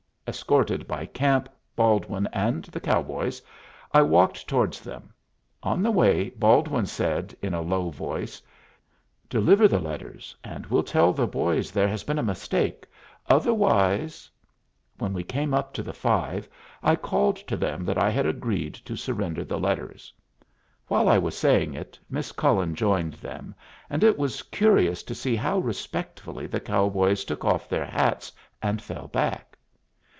Escorted by Camp, Baldwin, and the cowboys, I walked towards them. On the way Baldwin said, in a low voice, "Deliver the letters, and we'll tell the boys there has been a mistake. Otherwise " When we came up to the five, I called to them that I had agreed to surrender the letters. While I was saying it, Miss Cullen joined them, and it was curious to see how respectfully the cowboys took off their hats and fell back.